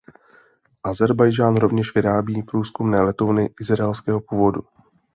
Ázerbájdžán rovněž vyrábí průzkumné letouny izraelského původu.